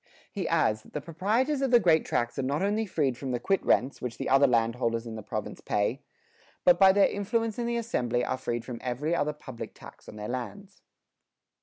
He adds that "the proprietors of the great tracts are not only freed from the quit rents, which the other landholders in the province pay, but by their influence in the assembly are freed from every other public tax on their lands."